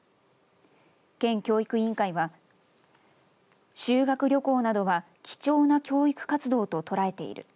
県教育委員会は修学旅行などは貴重な教育活動ととらえている。